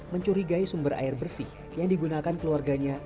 mencurigai sumber air bersih yang digunakan keluarganya